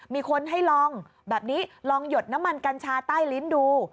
มีคนให้ลองแบบนี้ลองหยดน้ำมันกัญชาใต้ลิ้นดู